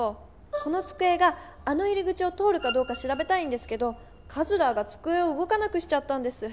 このつくえがあの入り口を通るかどうかしらべたいんですけどカズラーがつくえをうごかなくしちゃったんです。